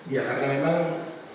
ya karena memang